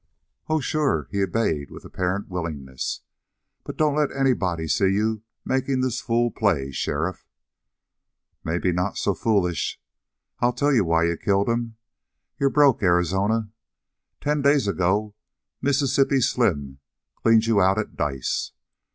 "Oh, sure." He obeyed with apparent willingness. "But don't let anybody see you making this fool play, sheriff." "Maybe not so foolish. I'll tell you why you killed him. You're broke, Arizona. Ten days ago Mississippi Slim cleaned you out at dice.